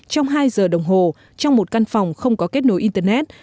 trong hai giờ đồng hồ trong một căn phòng không có kết nối internet